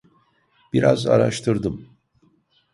Biraz araştırdım.